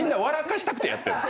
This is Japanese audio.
したくてやってるの？